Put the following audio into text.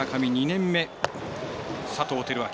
２年目、佐藤輝明。